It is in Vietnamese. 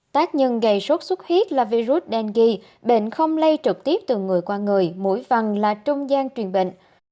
tác nhân gây sốt xuất huyết là virus dengue bệnh không lây trực tiếp từ người qua người mũi vằn là trung gian truyền bệnh